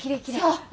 そう。